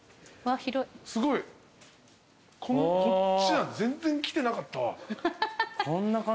すごい。こっち全然来てなかったわ。